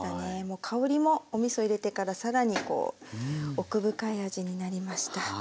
香りもおみそ入れてから更にこう奥深い味になりました。